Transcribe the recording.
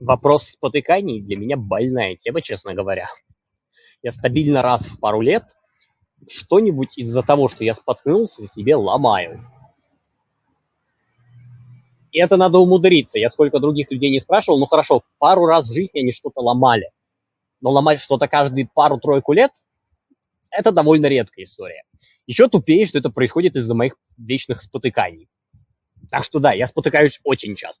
Вопрос спотыканий для меня больная тема, честно говоря. Я стабильно раз в пару лет что-нибудь из-за того что я споткнулся на себе ломаю. И это надо умудриться. Я сколько других людей не спрашивал, ну, хорошо, пару раз в жизни они что-то ломали. Но ломать что-то каждые пару-тройку лет - это довольно редкая история. Ещё тупее, что это происходит из-за моих вечных спотыканий. Так что да, я спотыкаюсь очень часто.